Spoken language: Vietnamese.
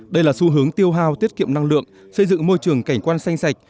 đây là xu hướng tiêu hào tiết kiệm năng lượng xây dựng môi trường cảnh quan xanh sạch